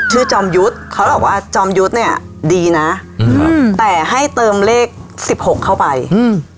จอมยุทธ์เขาบอกว่าจอมยุทธเนี้ยดีนะอืมครับแต่ให้เติมเลขสิบหกเข้าไปอืม